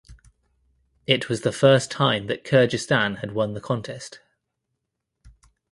It was the first time that Kyrgyzstan had won the contest.